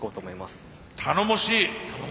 頼もしい！